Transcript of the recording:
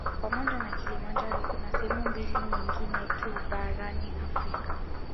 Pamoja na Kilimanjaro kuna sehemu mbili nyingine tu barani Afrika